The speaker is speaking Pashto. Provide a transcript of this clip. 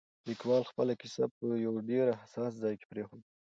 لیکوال خپله کیسه په یو ډېر حساس ځای کې پرېښوده.